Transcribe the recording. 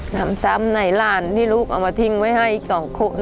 นำซ้ำในหลานที่ลูกเอามาทิ้งไว้ให้อีก๒คน